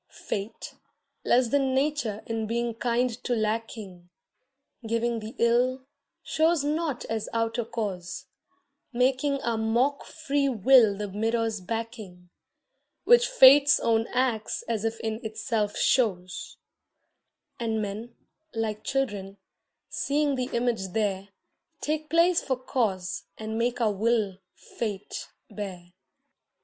Fate, less than Nature in being kind to lacking, Giving the ill, shows not as outer cause, Making our mock free will the mirror's backing Which Fate's own acts as if in itself shows; And men, like children, seeing the image there, Take place for cause and make our will Fate bear.